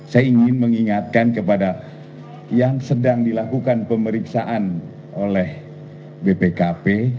saya ingin mengingatkan kepada yang sedang dilakukan pemeriksaan oleh bpkp